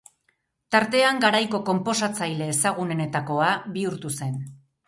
Tartean, garaiko konposatzaile ezagunenetakoa bihurtu zen.